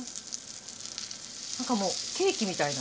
なんかもうケーキみたいな。